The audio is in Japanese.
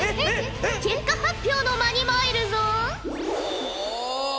結果発表の間に参るぞ。